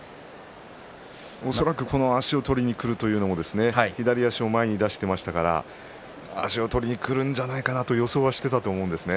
恐らくこの足を取りにくるというのも左足を前に出していましたから足を取りにくるんじゃないかなということを予想していたと思うんですね。